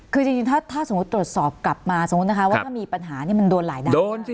คือจริงถ้าสมมุติตรวจสอบกลับมาสมมุตินะคะว่าถ้ามีปัญหานี่มันโดนหลายด้าน